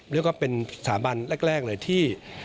เรียกว่าเป็นสถาบันแรกเลยที่